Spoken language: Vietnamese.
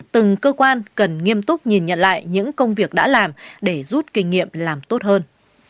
từng cơ quan cần nghiêm túc nhìn nhận lại những công việc đã làm để rút kinh nghiệm làm tốt hơn